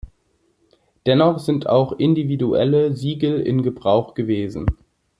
Dennoch sind auch individuelle Siegel in Gebrauch gewesen.